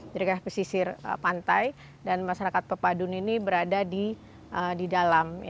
di dekat pesisir pantai dan masyarakat pepadun ini berada di dalam